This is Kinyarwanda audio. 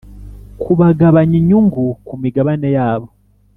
Kubagabanya inyungu ku migabane yabo